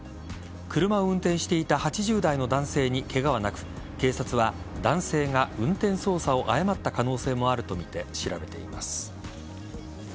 車を運転していた８０代の男性にケガはなく警察は、男性が運転操作を誤った可能性もあるとみて調べています。